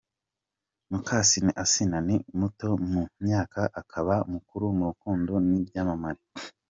Mukasine Asinah ni muto mu myaka akaba mukuru mu rukundo n’ibyamamare.